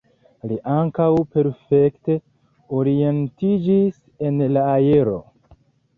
Li ankaŭ perfekte orientiĝis en la aero.